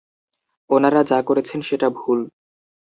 ওনারা যা করেছেন সেটা ভুল।